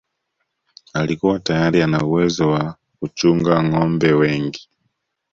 Alikuwa tayari ana uwezo wa kuchunga nâgombe wengi